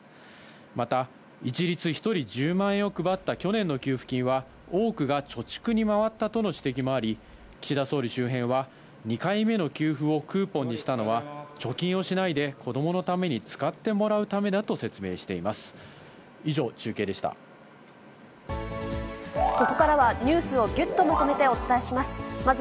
また、一律１人１０万円を配った去年の給付金は、多くが貯蓄に回ったとの指摘もあり、岸田総理周辺は、２回目の給付をクーポンにしたのは、貯金をしないで、子どものために使ってもらうためだと説明しています。